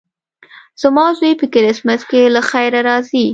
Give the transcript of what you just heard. زما زوی په کرېسمس کې له خیره راځي.